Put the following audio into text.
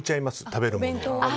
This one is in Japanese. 食べるものを。